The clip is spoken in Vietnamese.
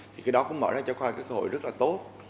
thì cái đó cũng mở ra cho khoa cơ hội rất là tốt